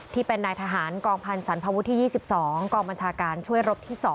ที่เป็นนายทหารกองพันธ์สรรพวุฒิที่๒๒กองบัญชาการช่วยรบที่๒